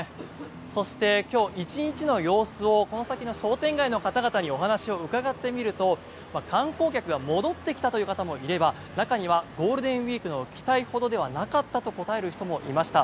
そして、今日１日の様子をこの先の商店街の方々にお話を伺ってみると観光客が戻ってきたという方もいれば中にはゴールデンウィークの期待ほどではなかったと答える人もいました。